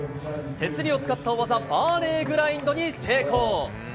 手すりを使った大技、バーレーグラインドに成功。